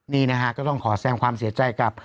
นี่นะฮะก็ต้องขอแสงความเสียใจกับ